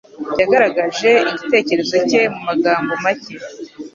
Yagaragaje igitekerezo cye mumagambo make.